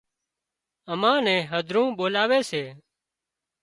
امان نين هڌرون ٻولاوي سي